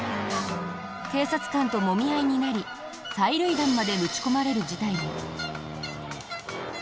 警察官ともみ合いになり催涙弾まで撃ち込まれる事態に。